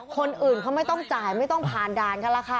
คนอื่นเขาไม่ต้องจ่ายไม่ต้องผ่านด่านกันล่ะค่ะ